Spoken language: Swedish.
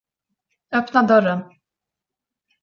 Öppna dörren.